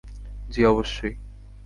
জি, অবশ্যই।